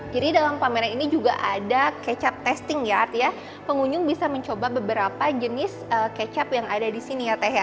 jadi dalam pameran ini juga ada kecap testing ya artinya pengunjung bisa mencoba beberapa jenis kecap yang ada di sini ya teh